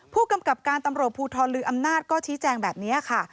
ผู้กำกับการตำรวจภูทรลืออำนาจก็ชี้แจงแบบนี้ค่ะ